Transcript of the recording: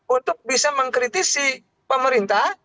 untuk bisa mengkritisi pemerintah